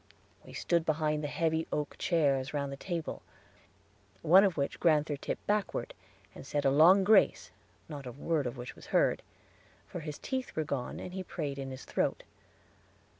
We stood behind the heavy oak chairs round the table, one of which Grand'ther tipped backward, and said a long grace, not a word of which was heard; for his teeth were gone, and he prayed in his throat.